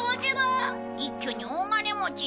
一挙に大金持ちだね。